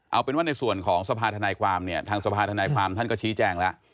เอาเป็นว่าในส่วนของสภาธนายความเนี่ยทางสภาธนายความท่านก็ชี้แจงแล้ว